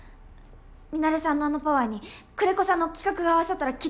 ミナレさんのあのパワーに久連木さんの企画が合わさったらきっと。